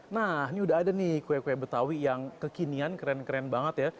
nah ini udah ada nih kue kue betawi yang kekinian keren keren banget ya